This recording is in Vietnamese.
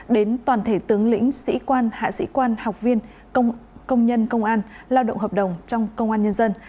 đến toàn thể tướng lĩnh sĩ quan hạ sĩ quan học viên công nhân công an lao động hợp đồng trong công an nhân dân